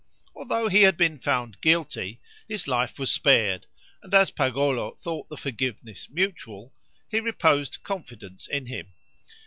Although he had been found guilty, his life was spared, and as Pagolo thought the forgiveness mutual, he reposed confidence in him.